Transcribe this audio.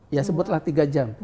ya sebutlah tiga jam